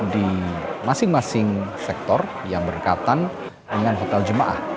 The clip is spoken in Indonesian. di masing masing sektor yang berdekatan dengan hotel jemaah